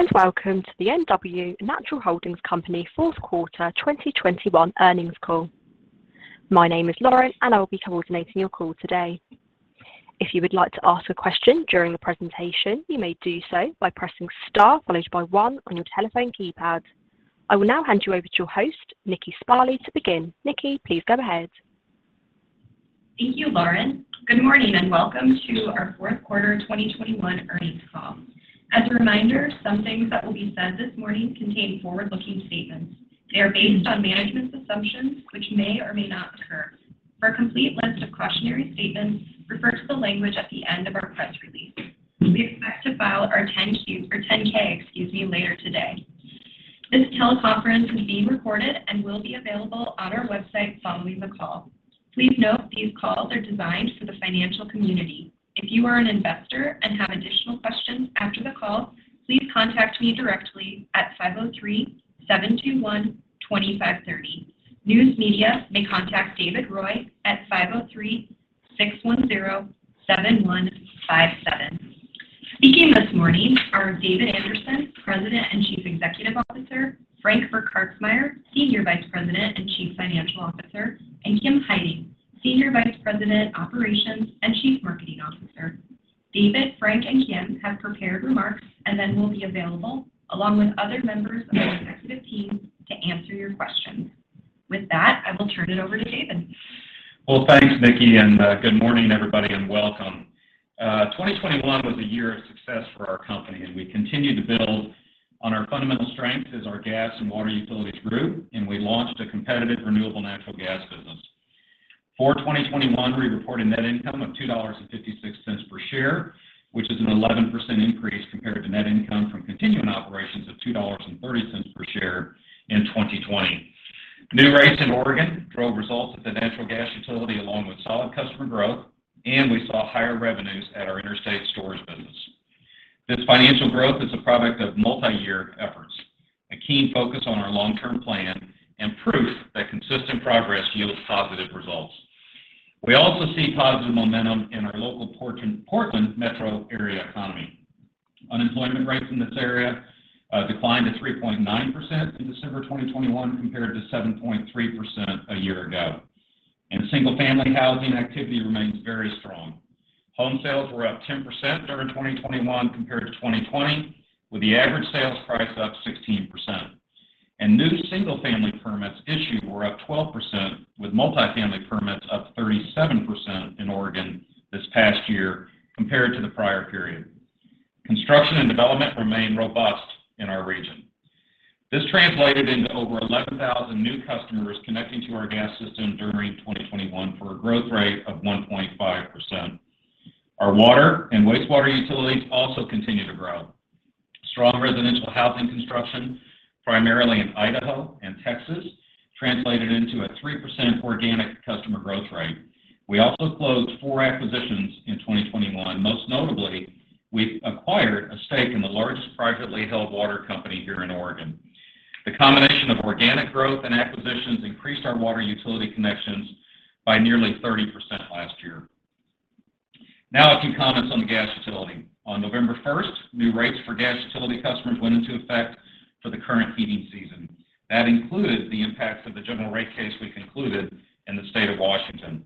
Hello and welcome to the NW Natural Holdings Company fourth quarter 2021 earnings call. My name is Lauren, and I will be coordinating your call today. If you would like to ask a question during the presentation, you may do so by pressing star followed by one on your telephone keypad. I will now hand you over to your host, Nikki Sparley, to begin. Nikki, please go ahead. Thank you, Lauren. Good morning and welcome to our fourth quarter 2021 earnings call. As a reminder, some things that will be said this morning contain forward-looking statements. They are based on management's assumptions which may or may not occur. For a complete list of cautionary statements, refer to the language at the end of our press release. We expect to file our 10-Q or 10-K, excuse me, later today. This teleconference is being recorded and will be available on our website following the call. Please note these calls are designed for the financial community. If you are an investor and have additional questions after the call, please contact me directly at 503-721-2530. News media may contact David Roy at 503-610-7157. Speaking this morning are David Anderson, President and Chief Executive Officer, Frank Burkhartsmeyer, Senior Vice President and Chief Financial Officer, and Kim Heiting, Senior Vice President, Operations, and Chief Marketing Officer. David, Frank, and Kim have prepared remarks and then will be available along with other members of our executive team to answer your questions. With that, I will turn it over to David. Well, thanks, Nikki, and good morning, everybody, and welcome. 2021 was a year of success for our company, and we continue to build on our fundamental strength as our gas and water utilities grew, and we launched a competitive, renewable natural gas business. For 2021, we reported net income of $2.56 per share, which is an 11% increase compared to net income from continuing operations of $2.30 per share in 2020. New rates in Oregon drove results at the natural gas utility along with solid customer growth, and we saw higher revenues at our interstate storage business. This financial growth is a product of multi-year efforts, a keen focus on our long-term plan and proof that consistent progress yields positive results. We also see positive momentum in our local Portland metro area economy. Unemployment rates in this area declined to 3.9% in December 2021 compared to 7.3% a year ago. Single-family housing activity remains very strong. Home sales were up 10% during 2021 compared to 2020, with the average sales price up 16%. New single-family permits issued were up 12%, with multifamily permits up 37% in Oregon this past year compared to the prior period. Construction and development remain robust in our region. This translated into over 11,000 new customers connecting to our gas system during 2021 for a growth rate of 1.5%. Our water and wastewater utilities also continue to grow. Strong residential housing construction, primarily in Idaho and Texas, translated into a 3% organic customer growth rate. We also closed four acquisitions in 2021. Most notably, we acquired a stake in the largest privately held water company here in Oregon. The combination of organic growth and acquisitions increased our water utility connections by nearly 30% last year. Now a few comments on the gas utility. On November 1st, new rates for gas utility customers went into effect for the current heating season. That included the impacts of the general rate case we concluded in the state of Washington.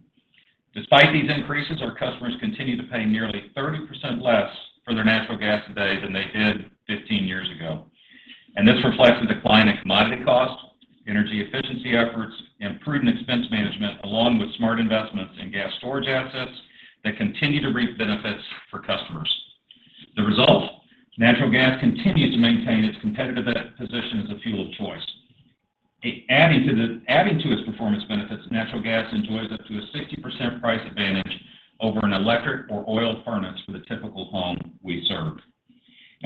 Despite these increases, our customers continue to pay nearly 30% less for their natural gas today than they did 15 years ago. This reflects a decline in commodity cost, energy efficiency efforts, improved expense management, along with smart investments in gas storage assets that continue to reap benefits for customers. The result, natural gas continues to maintain its competitive position as a fuel of choice. Adding to its performance benefits, natural gas enjoys up to a 60% price advantage over an electric or oil furnace for the typical home we serve.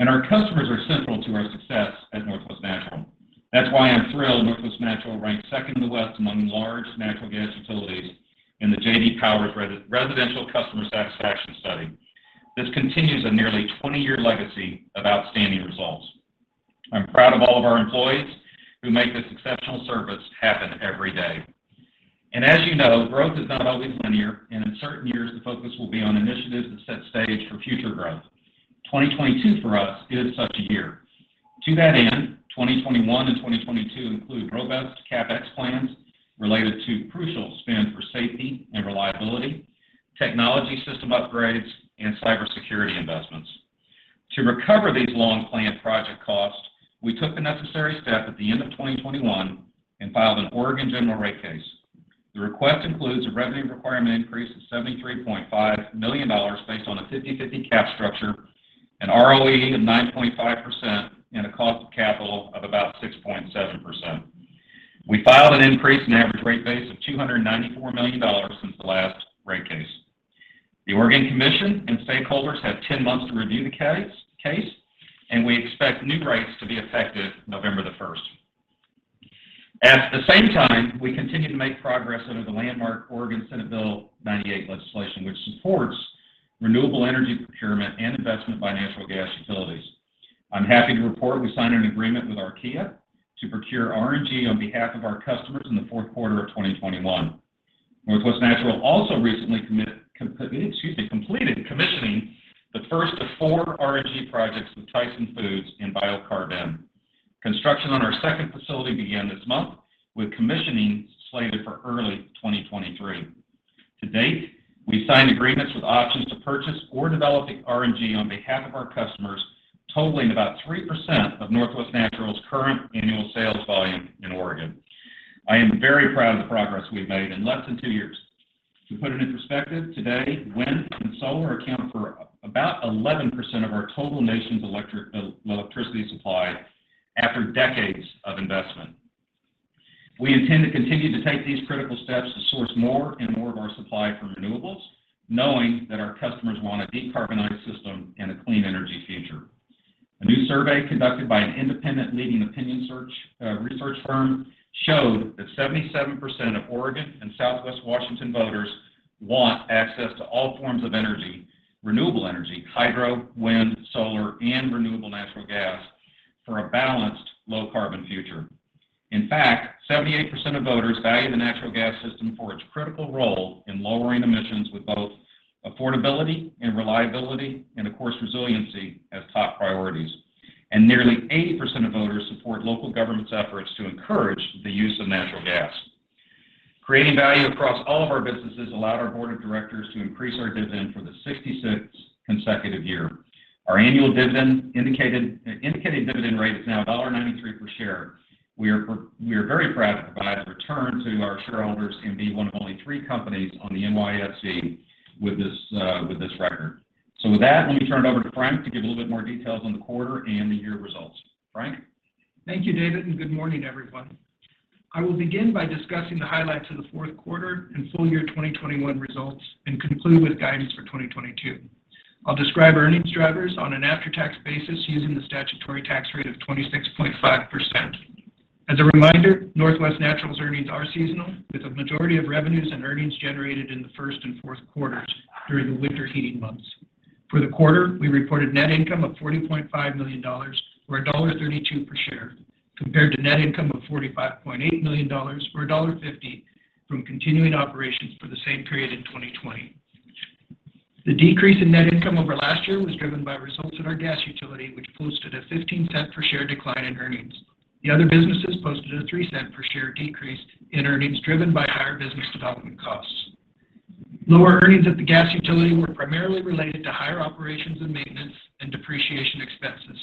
Our customers are central to our success at Northwest Natural. That's why I'm thrilled Northwest Natural ranked second in the West among large natural gas utilities in the J.D. Power Residential Customer Satisfaction Study. This continues a nearly 20-year legacy of outstanding results. I'm proud of all of our employees who make this exceptional service happen every day. As you know, growth is not always linear, and in certain years, the focus will be on initiatives that set stage for future growth. 2022 for us is such a year. To that end, 2021 and 2022 include robust CapEx plans related to crucial spend for safety and reliability, technology system upgrades, and cybersecurity investments. To recover these long-planned project costs, we took the necessary step at the end of 2021 and filed an Oregon General Rate Case. The request includes a revenue requirement increase of $73.5 million based on a 50/50 cap structure, an ROE of 9.5%, and a cost of capital of about 6.7%. We filed an increase in average rate base of $294 million since the last rate case. The Oregon Commission and stakeholders have 10 months to review the case, and we expect new rates to be effective November 1st. At the same time, we continue to make progress under the landmark Oregon Senate Bill 98 legislation, which supports renewable energy procurement and investment by natural gas utilities. I'm happy to report we signed an agreement with Archaea to procure RNG on behalf of our customers in the fourth quarter of 2021. Northwest Natural also recently completed commissioning the first of four RNG projects with Tyson Foods in BioCarbN. Construction on our second facility began this month, with commissioning slated for early 2023. To date, we've signed agreements with options to purchase or develop the RNG on behalf of our customers, totaling about 3% of Northwest Natural's current annual sales volume in Oregon. I am very proud of the progress we've made in less than two years. To put it in perspective, today, wind and solar account for about 11% of our total nation's electricity supply after decades of investment. We intend to continue to take these critical steps to source more and more of our supply from renewables, knowing that our customers want a decarbonized system and a clean energy future. A new survey conducted by an independent leading opinion research firm showed that 77% of Oregon and Southwest Washington voters want access to all forms of energy, renewable energy, hydro, wind, solar, and renewable natural gas for a balanced low carbon future. In fact, 78% of voters value the natural gas system for its critical role in lowering emissions with both affordability and reliability, and of course, resiliency as top priorities. Nearly 80% of voters support local government's efforts to encourage the use of natural gas. Creating value across all of our businesses allowed our board of directors to increase our dividend for the 66th consecutive year. Our annual dividend indicated dividend rate is now $0.93 per share. We are very proud to provide a return to our shareholders and be one of only three companies on the NYSE with this record. With that, let me turn it over to Frank to give a little bit more details on the quarter and the year results. Frank. Thank you, David, and good morning, everyone. I will begin by discussing the highlights of the fourth quarter and full year 2021 results and conclude with guidance for 2022. I'll describe earnings drivers on an after-tax basis using the statutory tax rate of 26.5%. As a reminder, Northwest Natural's earnings are seasonal, with a majority of revenues and earnings generated in the first and fourth quarters during the winter heating months. For the quarter, we reported net income of $40.5 million or $1.32 per share, compared to net income of $45.8 million or $1.50 from continuing operations for the same period in 2020. The decrease in net income over last year was driven by results in our gas utility, which posted a $0.15 per share decline in earnings. The other businesses posted a $0.03 per share decrease in earnings driven by higher business development costs. Lower earnings at the gas utility were primarily related to higher operations and maintenance and depreciation expenses,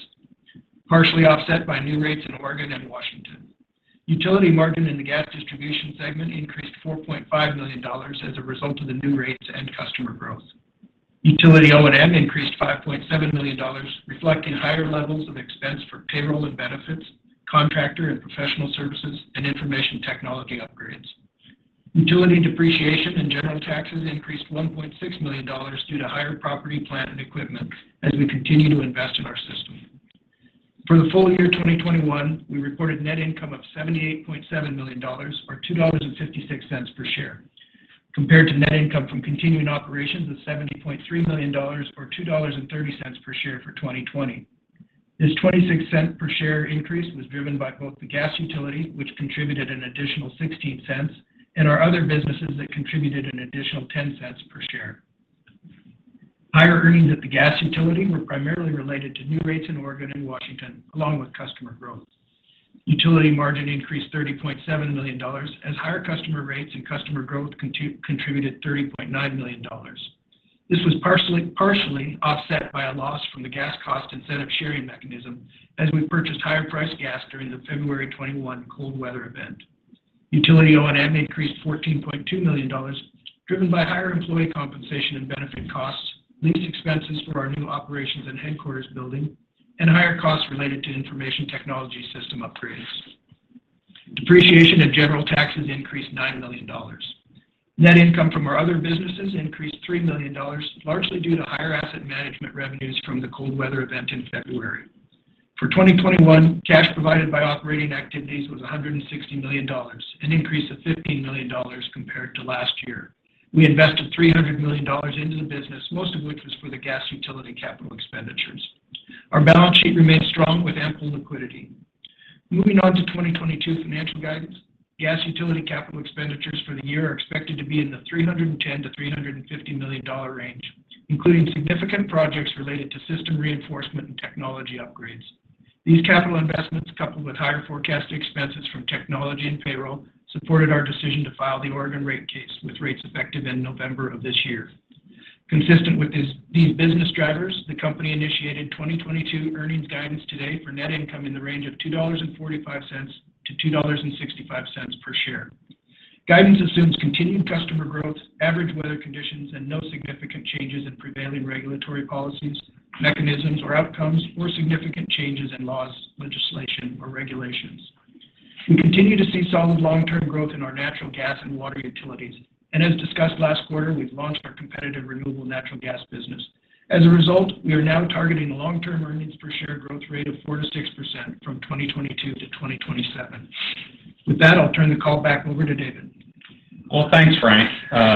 partially offset by new rates in Oregon and Washington. Utility margin in the gas distribution segment increased $4.5 million as a result of the new rates and customer growth. Utility O&M increased $5.7 million, reflecting higher levels of expense for payroll and benefits, contractor and professional services, and information technology upgrades. Utility depreciation and general taxes increased $1.6 million due to higher property, plant, and equipment as we continue to invest in our system. For the full year 2021, we reported net income of $78.7 million or $2.56 per share, compared to net income from continuing operations of $70.3 million or $2.30 per share for 2020. This $0.26 per share increase was driven by both the gas utility, which contributed an additional $0.16, and our other businesses that contributed an additional $0.10 per share. Higher earnings at the gas utility were primarily related to new rates in Oregon and Washington, along with customer growth. Utility margin increased $30.7 million as higher customer rates and customer growth contributed $30.9 million. This was partially offset by a loss from the gas cost incentive sharing mechanism as we purchased higher priced gas during the February 2021 cold weather event. Utility O&M increased $14.2 million, driven by higher employee compensation and benefit costs, lease expenses for our new operations and headquarters building, and higher costs related to information technology system upgrades. Depreciation and general taxes increased $9 million. Net income from our other businesses increased $3 million, largely due to higher asset management revenues from the cold weather event in February. For 2021, cash provided by operating activities was $160 million, an increase of $15 million compared to last year. We invested $300 million into the business, most of which was for the gas utility capital expenditures. Our balance sheet remains strong with ample liquidity. Moving on to 2022 financial guidance. Gas utility capital expenditures for the year are expected to be in the $310 million-$350 million range, including significant projects related to system reinforcement and technology upgrades. These capital investments, coupled with higher forecast expenses from technology and payroll, supported our decision to file the Oregon rate case, with rates effective in November of this year. Consistent with these business drivers, the company initiated 2022 earnings guidance today for net income in the range of $2.45-$2.65 per share. Guidance assumes continued customer growth, average weather conditions, and no significant changes in prevailing regulatory policies, mechanisms, or outcomes, or significant changes in laws, legislation, or regulations. We continue to see solid long-term growth in our natural gas and water utilities. As discussed last quarter, we've launched our competitive renewable natural gas business. As a result, we are now targeting a long-term earnings per share growth rate of 4%-6% from 2022 to 2027. With that, I'll turn the call back over to David. Well, thanks, Frank.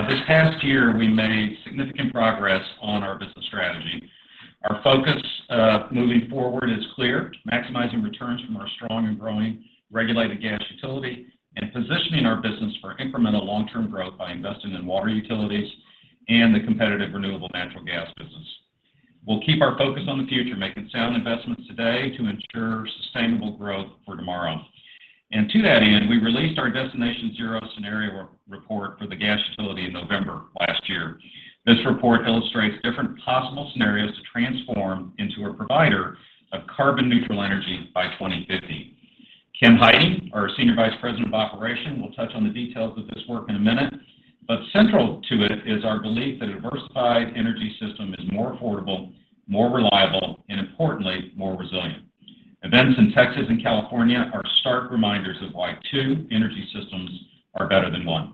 This past year, we made significant progress on our business strategy. Our focus, moving forward is clear: maximizing returns from our strong and growing regulated gas utility and positioning our business for incremental long-term growth by investing in water utilities and the competitive, renewable natural gas business. We'll keep our focus on the future, making sound investments today to ensure sustainable growth for tomorrow. To that end, we released our Destination Zero scenario report for the gas utility in November last year. This report illustrates different possible scenarios to transform into a provider of carbon-neutral energy by 2050. Kim Heiting, our Senior Vice President of Operations, will touch on the details of this work in a minute. Central to it is our belief that a diversified energy system is more affordable, more reliable, and importantly, more resilient. Events in Texas and California are stark reminders of why two energy systems are better than one.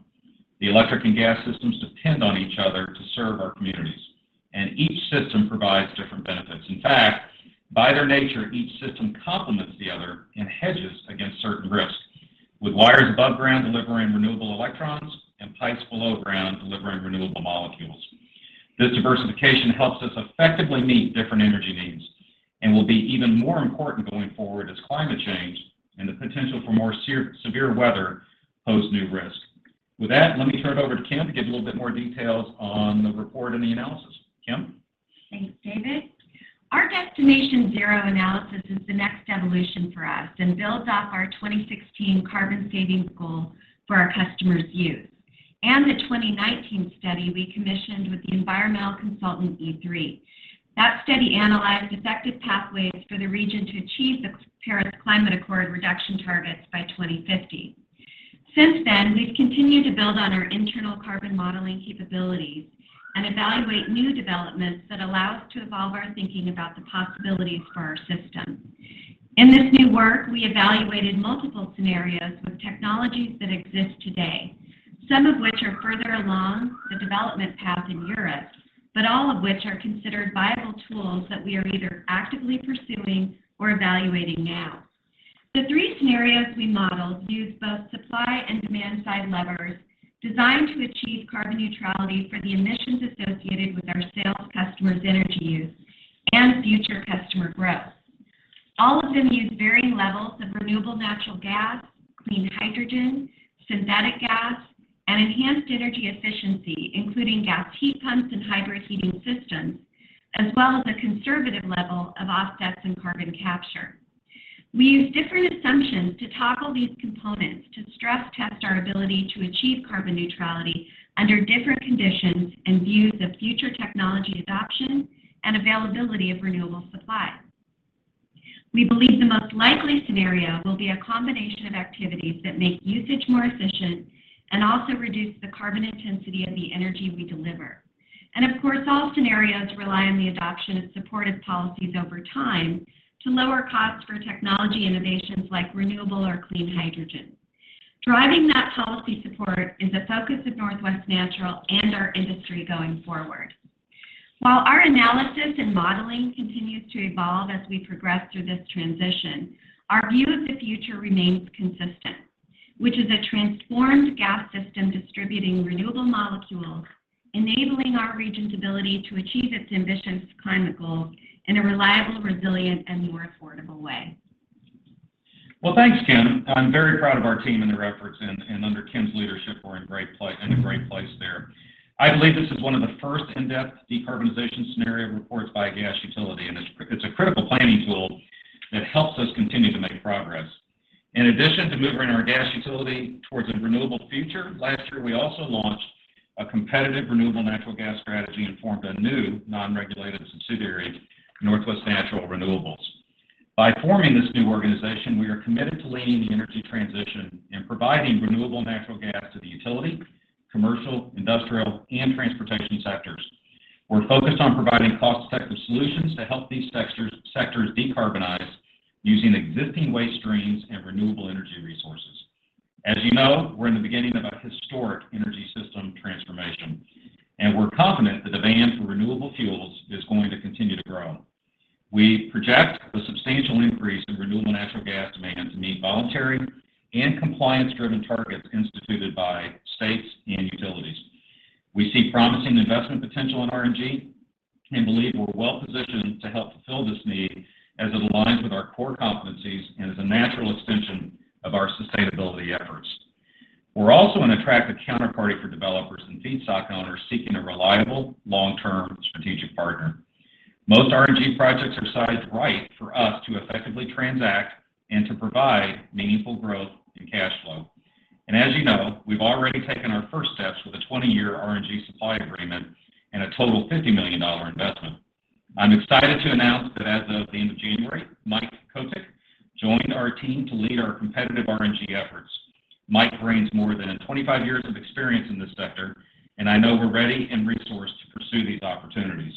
The electric and gas systems depend on each other to serve our communities, and each system provides different benefits. In fact, by their nature, each system complements the other and hedges against certain risks, with wires above ground delivering renewable electrons and pipes below ground delivering renewable molecules. This diversification helps us effectively meet different energy needs and will be even more important going forward as climate change and the potential for more severe weather pose new risks. With that, let me turn it over to Kim to give a little bit more details on the report and the analysis. Kim? Thanks, David. Our Destination Zero analysis is the next evolution for us and builds off our 2016 carbon savings goal for our customers' use and the 2019 study we commissioned with the environmental consultant E3. That study analyzed effective pathways for the region to achieve the Paris Climate Agreement reduction targets by 2050. Since then, we've continued to build on our internal carbon modeling capabilities and evaluate new developments that allow us to evolve our thinking about the possibilities for our system. In this new work, we evaluated multiple scenarios with technologies that exist today, some of which are further along the development path in Europe, but all of which are considered viable tools that we are either actively pursuing or evaluating now. The three scenarios we modeled use both supply and demand-side levers designed to achieve carbon neutrality for the emissions associated with our sales customers' energy use and future customer growth. All of them use varying levels of renewable natural gas, clean hydrogen, synthetic gas, and enhanced energy efficiency, including gas heat pumps and hybrid heating systems, as well as a conservative level of offsets and carbon capture. We use different assumptions to tackle these components to stress test our ability to achieve carbon neutrality under different conditions and views of future technology adoption and availability of renewable supply. We believe the most likely scenario will be a combination of activities that make usage more efficient and also reduce the carbon intensity of the energy we deliver. Of course, all scenarios rely on the adoption of supportive policies over time to lower costs for technology innovations like renewable or clean hydrogen. Driving that policy support is a focus of Northwest Natural and our industry going forward. While our analysis and modeling continues to evolve as we progress through this transition, our view of the future remains consistent, which is a transformed gas system distributing renewable molecules, enabling our region's ability to achieve its ambitious climate goals in a reliable, resilient, and more affordable way. Well, thanks, Kim. I'm very proud of our team and their efforts and under Kim's leadership, we're in a great place there. I believe this is one of the first in-depth decarbonization scenario reports by a gas utility, and it's a critical planning tool that helps us continue to make progress. In addition to moving our gas utility towards a renewable future, last year, we also launched a competitive renewable natural gas strategy and formed a new non-regulated subsidiary, Northwest Natural Renewables. By forming this new organization, we are committed to leading the energy transition and providing renewable natural gas to the utility, commercial, industrial, and transportation sectors. We're focused on providing cost-effective solutions to help these sectors decarbonize using existing waste streams and renewable energy resources. As you know, we're in the beginning of a historic energy system transformation, and we're confident the demand for renewable fuels is going to continue to grow. We project a substantial increase in renewable natural gas demand to meet voluntary and compliance-driven targets instituted by states and utilities. We see promising investment potential in RNG and believe we're well-positioned to help fulfill this need as it aligns with our core competencies and is a natural extension of our sustainability efforts. We're also an attractive counterparty for developers and feedstock owners seeking a reliable, long-term strategic partner. Most RNG projects are sized right for us to effectively transact and to provide meaningful growth and cash flow. As you know, we've already taken our first steps with a 20-year RNG supply agreement and a total $50 million investment. I'm excited to announce that as of the end of January, Mike Kotyk joined our team to lead our competitive RNG efforts. Mike brings more than 25 years of experience in this sector, and I know we're ready and resourced to pursue these opportunities.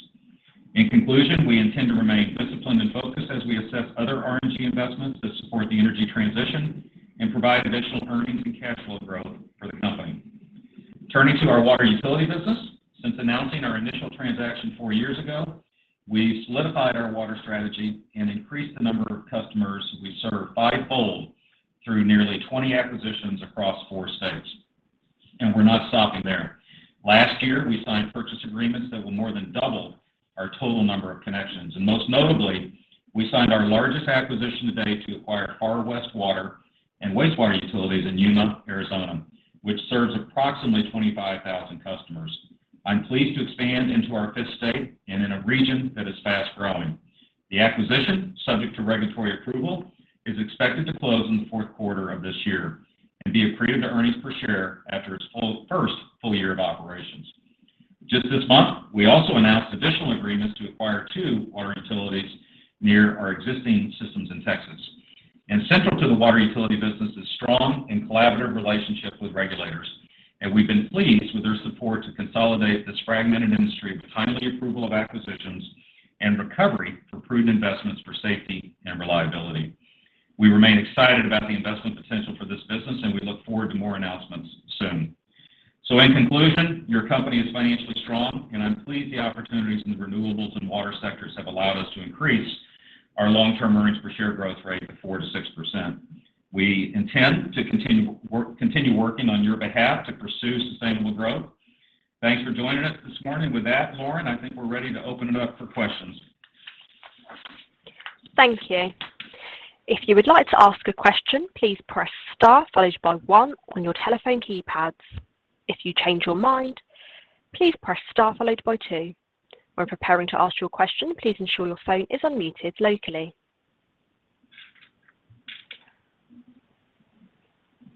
In conclusion, we intend to remain disciplined and focused as we assess other RNG investments that support the energy transition and provide additional earnings and cash flow growth for the company. Turning to our water utility business, since announcing our initial transaction four years ago, we've solidified our water strategy and increased the number of customers we serve fivefold through nearly 20 acquisitions across four states. We're not stopping there. Last year, we signed purchase agreements that will more than double our total number of connections. Most notably, we signed our largest acquisition to date to acquire Far West Water and [wastewater] facilities in Yuma, Arizona, which serves approximately 25,000 customers. I'm pleased to expand into our fifth state and in a region that is fast-growing. The acquisition, subject to regulatory approval, is expected to close in the fourth quarter of this year and be accretive to earnings per share after its first full year of operations. Just this month, we also announced additional agreements to acquire two water utilities near our existing systems in Texas. Central to the water utility business is strong and collaborative relationships with regulators, and we've been pleased with their support to consolidate this fragmented industry with timely approval of acquisitions and recovery for proven investments for safety and reliability. We remain excited about the investment potential for this business, and we look forward to more announcements soon. In conclusion, your company is financially strong, and I'm pleased the opportunities in the renewables and water sectors have allowed us to increase our long-term earnings per share growth rate to 4%-6%. We intend to continue working on your behalf to pursue sustainable growth. Thanks for joining us this morning. With that, Lauren, I think we're ready to open it up for questions. Thank you. If you would like to ask a question, please press star followed by one on your telephone keypads. If you change your mind, please press star followed by two. When preparing to ask your question, please ensure your phone is unmuted locally.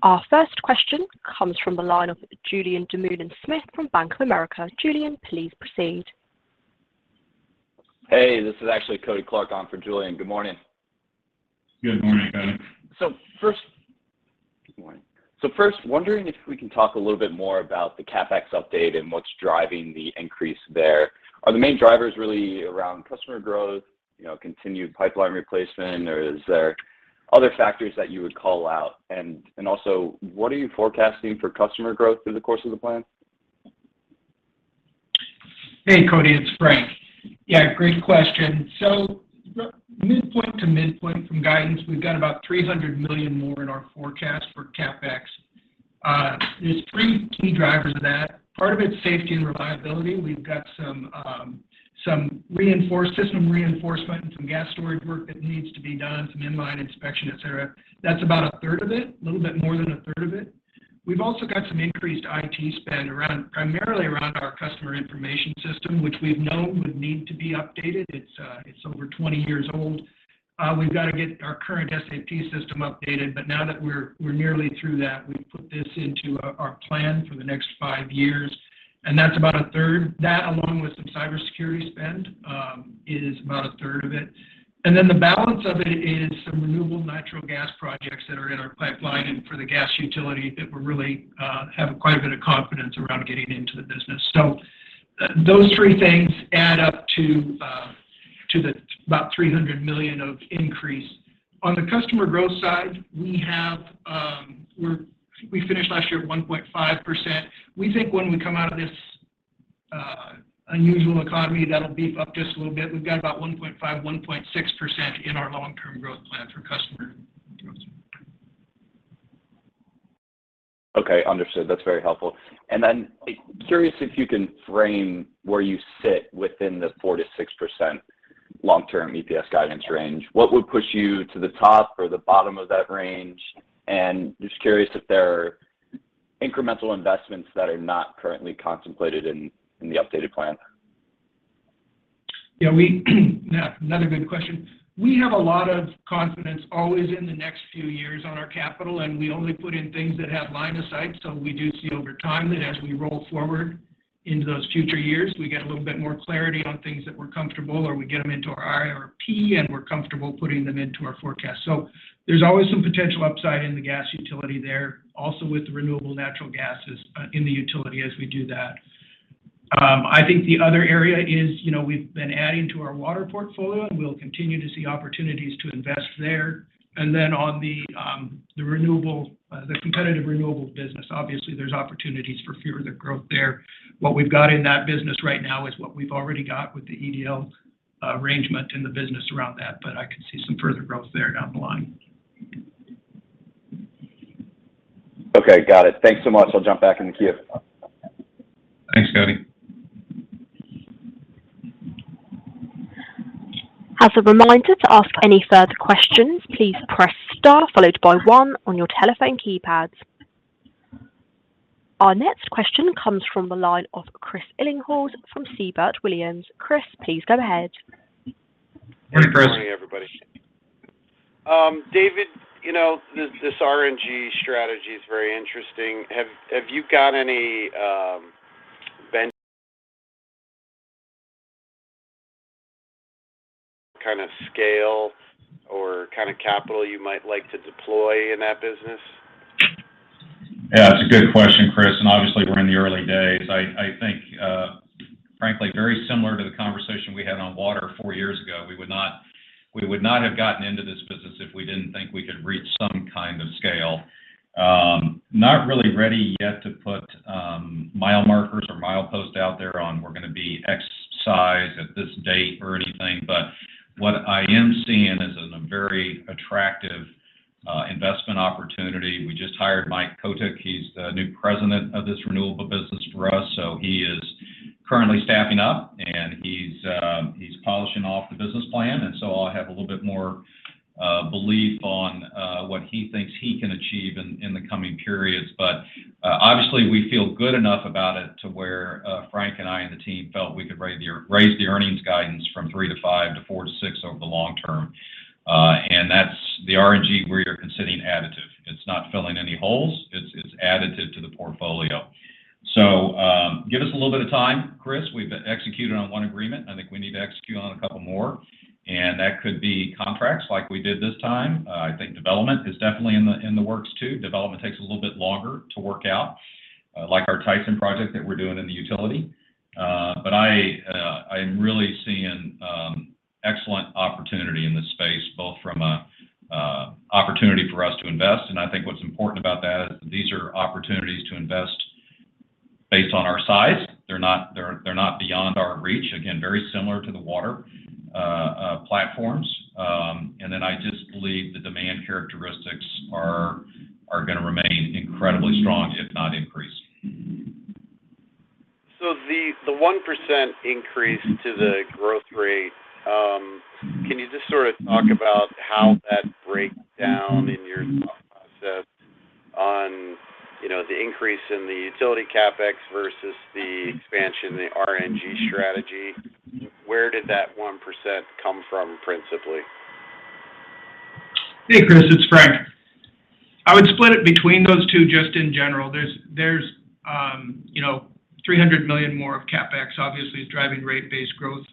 Our first question comes from the line of Julien Dumoulin-Smith from Bank of America. Julien, please proceed. Hey, this is actually Kody Clark on for Julien. Good morning. Good morning, Kody. Good morning. First, wondering if we can talk a little bit more about the CapEx update and what's driving the increase there. Are the main drivers really around customer growth, you know, continued pipeline replacement, or is there other factors that you would call out? Also, what are you forecasting for customer growth through the course of the plan? Hey, Kody. It's Frank. Yeah, great question. Midpoint to midpoint from guidance, we've got about $300 million more in our forecast for CapEx. There's three key drivers of that. Part of it's safety and reliability. We've got some system reinforcement and some gas storage work that needs to be done, some inline inspection, et cetera. That's about 1/3 of it, a little bit more than 1/3 of it. We've also got some increased IT spend primarily around our customer information system, which we've known would need to be updated. It's 20 years old. We've got to get our current SAP system updated, but now that we're nearly through that, we've put this into our plan for the next five years, and that's about 1/3. That, along with some cybersecurity spend, is about 1/3 of it. Then the balance of it is some renewable natural gas projects that are in our pipeline and for the gas utility that we really have quite a bit of confidence around getting into the business. Those three things add up to about $300 million of increase. On the customer growth side, we have We finished last year at 1.5%. We think when we come out of this unusual economy, that'll beef up just a little bit. We've got about 1.5%, 1.6% in our long-term growth plan for customer growth. Okay. Understood. That's very helpful. Curious if you can frame where you sit within the 4%-6% long-term EPS guidance range. What would push you to the top or the bottom of that range? Just curious if there are incremental investments that are not currently contemplated in the updated plan? Yeah, another good question. We have a lot of confidence always in the next few years on our capital, and we only put in things that have line of sight, so we do see over time that as we roll forward into those future years, we get a little bit more clarity on things that we're comfortable or we get them into our IRP, and we're comfortable putting them into our forecast. So there's always some potential upside in the gas utility there, also with the renewable natural gases, in the utility as we do that. I think the other area is, you know, we've been adding to our water portfolio, and we'll continue to see opportunities to invest there. Then on the competitive renewable business, obviously, there's opportunities for further growth there. What we've got in that business right now is what we've already got with the EDL arrangement and the business around that, but I can see some further growth there down the line. Okay. Got it. Thanks so much. I'll jump back in the queue. Thanks, Kody. As a reminder to ask any further questions, please press star followed by one on your telephone keypads. Our next question comes from the line of Chris Ellinghaus from Siebert Williams. Chris, please go ahead. Morning, Chris. Good morning, everybody. David, you know, this RNG strategy is very interesting. Have you got any kind of scale or kind of capital you might like to deploy in that business? Yeah. It's a good question, Chris, and obviously, we're in the early days. I think, frankly, very similar to the conversation we had on water four years ago, we would not have gotten into this business if we didn't think we could reach some kind of scale. Not really ready yet to put mile markers or mileposts out there on where we're going to be some size at this date or anything. What I am seeing is a very attractive investment opportunity. We just hired Mike Kotyk. He's the new president of this renewable business for us, so he is currently staffing up, and he's polishing off the business plan. I'll have a little bit more belief on what he thinks he can achieve in the coming periods. Obviously, we feel good enough about it to where Frank and I and the team felt we could raise the earnings guidance from 3%-5% to 4%-6% over the long term. That's the RNG you're considering additive. It's not filling any holes. It's additive to the portfolio. Give us a little bit of time, Chris. We've executed on one agreement. I think we need to execute on a couple more, and that could be contracts like we did this time. I think development is definitely in the works, too. Development takes a little bit longer to work out, like our Tyson project that we're doing in the utility. I'm really seeing excellent opportunity in this space, both from a opportunity for us to invest. I think what's important about that is these are opportunities to invest based on our size. They're not beyond our reach, again, very similar to the water platforms. I just believe the demand characteristics are gonna remain incredibly strong, if not increase. The 1% increase to the growth rate, can you just sort of talk about how that breaks down in your thought process on, you know, the increase in the utility CapEx versus the expansion in the RNG strategy? Where did that 1% come from principally? Hey, Chris. It's Frank. I would split it between those two just in general. There's you know $300 million more of CapEx obviously is driving rate-based growth,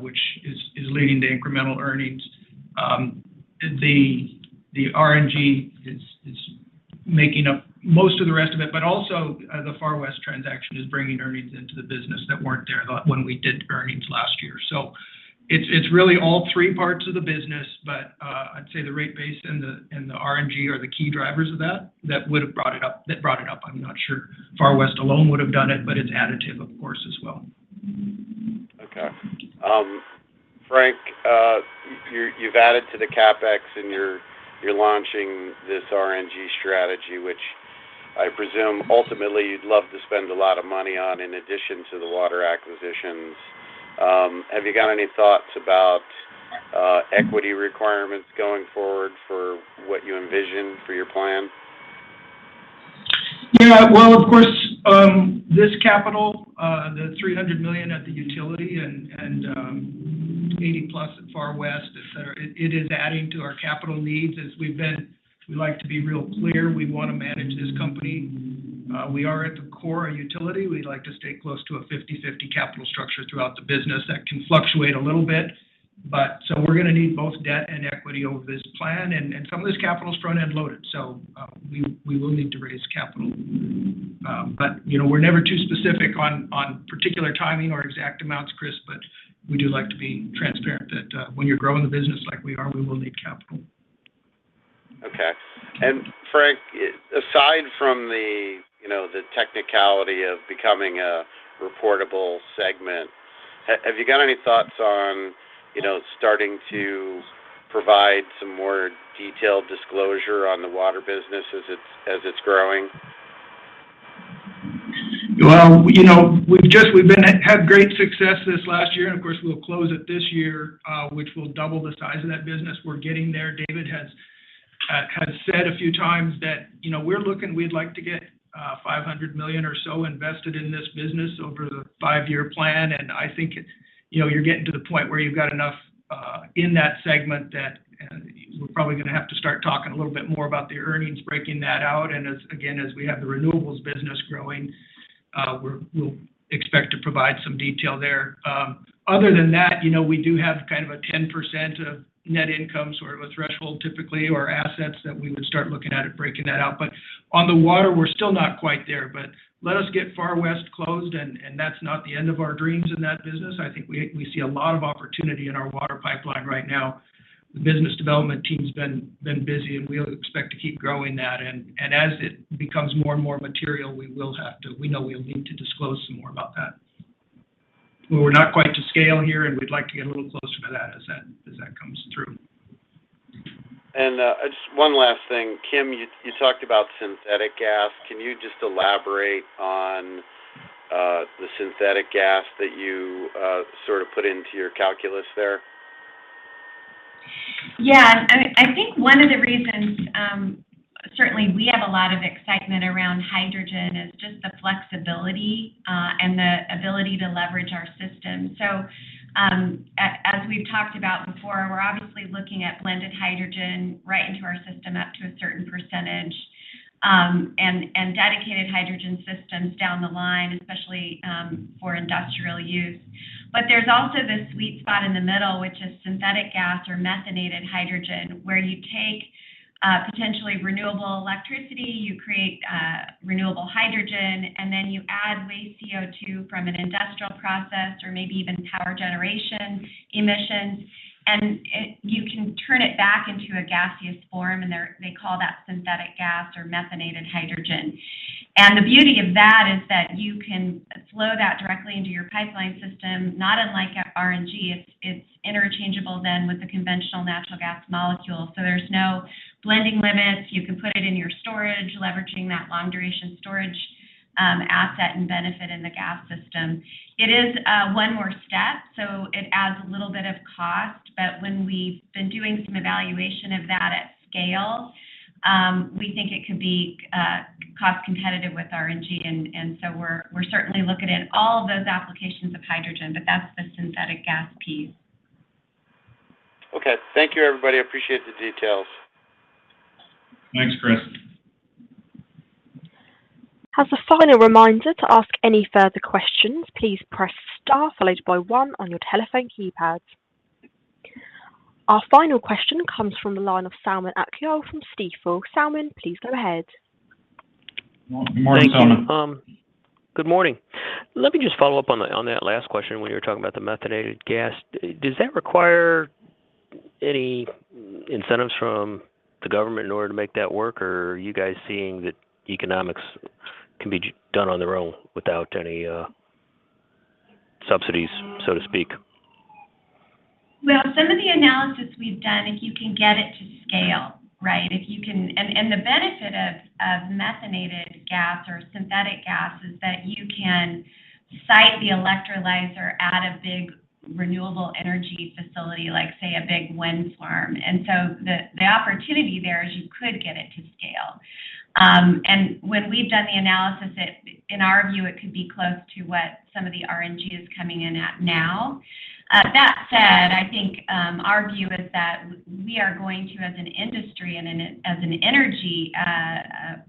which is leading to incremental earnings. The RNG is making up most of the rest of it, but also the Far West transaction is bringing earnings into the business that weren't there when we did earnings last year. It's really all three parts of the business, but I'd say the rate base and the RNG are the key drivers of that that brought it up. I'm not sure Far West alone would have done it, but it's additive, of course, as well. Okay. Frank, you've added to the CapEx, and you're launching this RNG strategy, which I presume ultimately you'd love to spend a lot of money on in addition to the water acquisitions. Have you got any thoughts about equity requirements going forward for what you envision for your plan? Yeah. Well, of course, this capital, the $300 million at the utility and $80+ at Far West, etc., it is adding to our capital needs. We like to be real clear. We want to manage this company. We are at the core a utility. We like to stay close to a 50/50 capital structure throughout the business. That can fluctuate a little bit, but we're gonna need both debt and equity over this plan, and some of this capital is front-end loaded. We will need to raise capital. You know, we're never too specific on particular timing or exact amounts, Chris, but we do like to be transparent that when you're growing the business like we are, we will need capital. Okay. Frank, aside from the, you know, the technicality of becoming a reportable segment, have you got any thoughts on, you know, starting to provide some more detailed disclosure on the water business as it's growing? Well, you know, we've had great success this last year, and of course, we'll close it this year, which will double the size of that business. We're getting there. David has said a few times that, you know, we're looking, we'd like to get $500 million or so invested in this business over the five-year plan. I think you know, you're getting to the point where you've got enough in that segment that we're probably gonna have to start talking a little bit more about the earnings, breaking that out. As we have the renewables business growing, we'll expect to provide some detail there. Other than that, you know, we do have kind of a 10% of net income sort of a threshold typically or assets that we would start looking at it, breaking that out. On the water, we're still not quite there. Let us get Far West closed and that's not the end of our dreams in that business. I think we see a lot of opportunity in our water pipeline right now. The business development team's been busy, and we expect to keep growing that. As it becomes more and more material, we will have to. We know we'll need to disclose some more about that. We're not quite to scale here, and we'd like to get a little closer to that as that comes through. Just one last thing. Kim, you talked about synthetic gas. Can you just elaborate on the synthetic gas that you sort of put into your calculus there? Yeah. I think one of the reasons, certainly we have a lot of excitement around hydrogen is just the flexibility, and the ability to leverage our system. As we've talked about before, we're obviously looking at blended hydrogen right into our system up to a certain percentage, and dedicated hydrogen systems down the line, especially for industrial use. There's also this sweet spot in the middle, which is synthetic gas or methanated hydrogen, where you take potentially renewable electricity, you create renewable hydrogen, and then you add waste CO2 from an industrial process or maybe even power generation emissions, and you can turn it back into a gaseous form, and they call that synthetic gas or methanated hydrogen. The beauty of that is that you can flow that directly into your pipeline system, not unlike RNG. It's interchangeable then with the conventional natural gas molecule. There's no blending limits. You can put it in your storage, leveraging that long-duration storage, asset and benefit in the gas system. It is one more step, so it adds a little bit of cost. When we've been doing some evaluation of that at scale, we think it could be cost competitive with RNG. We're certainly looking at all of those applications of hydrogen, but that's the synthetic gas piece. Okay. Thank you, everybody. I appreciate the details. Thanks, Chris. As a final reminder to ask any further questions, please press star followed by one on your telephone keypads. Our final question comes from the line of Selman Akyol from Stifel. Selman, please go ahead. Morning, Selman. Thank you. Good morning. Let me just follow up on that last question when you were talking about the methanated gas. Does that require any incentives from the government in order to make that work, or are you guys seeing that economics can be done on their own without any subsidies, so to speak? Well, some of the analysis we've done, if you can get it to scale, right? The benefit of methanated gas or synthetic gas is that you can site the electrolyzer at a big renewable energy facility, like, say, a big wind farm. The opportunity there is you could get it to scale. When we've done the analysis, in our view, it could be close to what some of the RNG is coming in at now. That said, I think our view is that we are going to, as an industry and as an energy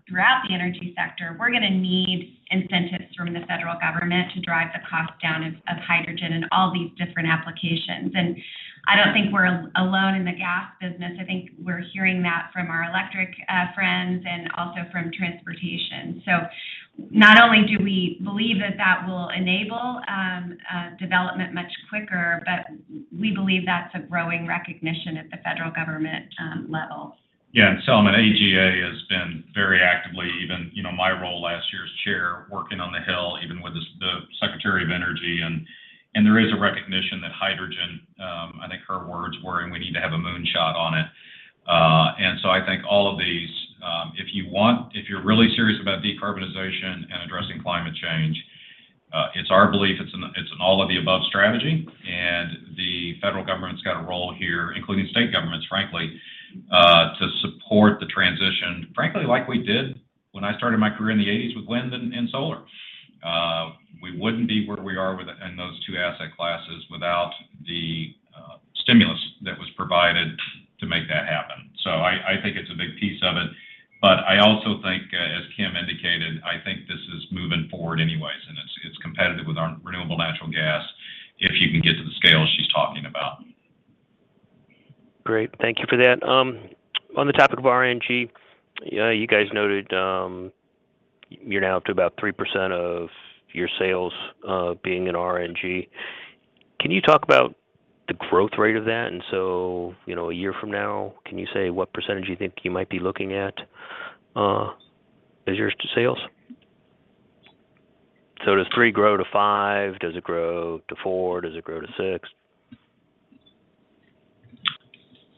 throughout the energy sector, we're gonna need incentives from the federal government to drive the cost down of hydrogen in all these different applications. I don't think we're alone in the gas business. I think we're hearing that from our electric friends and also from transportation. Not only do we believe that that will enable development much quicker, but we believe that's a growing recognition at the federal government level. Yeah. Selman, AGA has been very actively, even, you know, my role last year as chair, working on the Hill, even with the Secretary of Energy. There is a recognition that hydrogen, I think her words were, and we need to have a moonshot on it. I think all of these, if you want, if you're really serious about decarbonization and addressing climate change, it's our belief it's an all-of-the-above strategy. The federal government's got a role here, including state governments, frankly, to support the transition, frankly, like we did when I started my career in the eighties with wind and solar. We wouldn't be where we are in those two asset classes without the stimulus that was provided to make that happen. I think it's a big piece of it. I also think, as Kim indicated, I think this is moving forward anyways, and it's competitive with our renewable natural gas if you can get to the scale she's talking about. Great. Thank you for that. On the topic of RNG, you guys noted, you're now up to about 3% of your sales, being in RNG. Can you talk about the growth rate of that? You know, a year from now, can you say what percentage you think you might be looking at, as a percent of sales? Does 3% grow to 5%? Does it grow to 4%? Does it grow to 6%?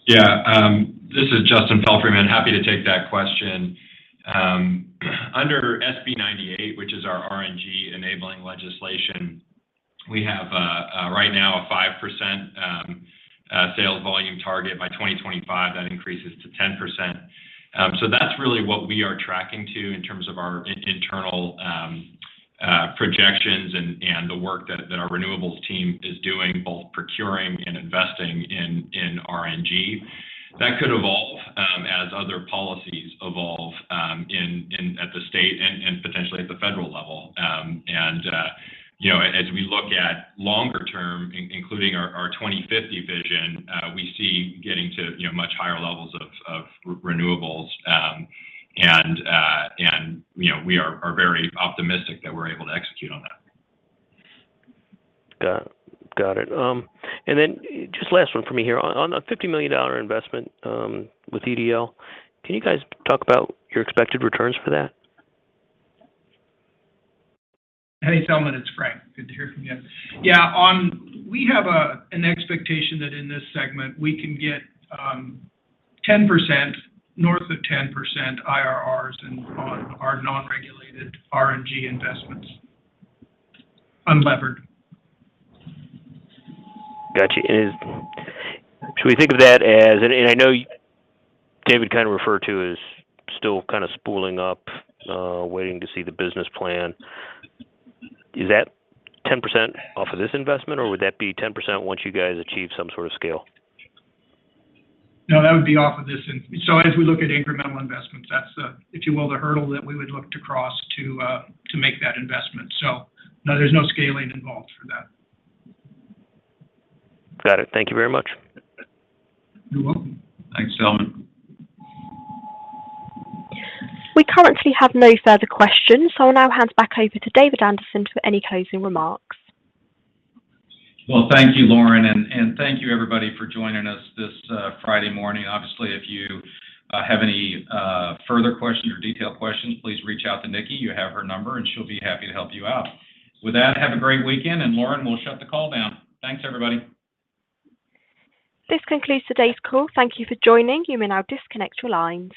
This is Justin Palfreyman. Happy to take that question. Under SB 98, which is our RNG-enabling legislation, we have right now a 5% sales volume target. By 2025, that increases to 10%. That's really what we are tracking to in terms of our internal projections and the work that our renewables team is doing, both procuring and investing in RNG. That could evolve as other policies evolve at the state and potentially at the federal level. You know, as we look at longer term, including our 2050 vision, we see getting to you know, much higher levels of renewables. You know, we are very optimistic that we're able to execute on that. Got it. Just last one for me here. On a $50 million investment with EDL, can you guys talk about your expected returns for that? Hey, Selman, it's Frank. Good to hear from you. Yeah. We have an expectation that in this segment we can get 10%, north of 10% IRRs on our non-regulated RNG investments, unlevered. Got you. Should we think of that as I know David kind of referred to as still kind of spooling up, waiting to see the business plan. Is that 10% off of this investment, or would that be 10% once you guys achieve some sort of scale? No, that would be off of this. As we look at incremental investments, that's the, if you will, the hurdle that we would look to cross to make that investment. No, there's no scaling involved for that. Got it. Thank you very much. You're welcome. Thanks, Selman. We currently have no further questions, so I'll now hand back over to David Anderson for any closing remarks. Well, thank you, Lauren, and thank you, everybody, for joining us this Friday morning. Obviously, if you have any further questions or detailed questions, please reach out to Nikki. You have her number, and she'll be happy to help you out. With that, have a great weekend. Lauren, we'll shut the call down. Thanks, everybody. This concludes today's call. Thank you for joining. You may now disconnect your lines.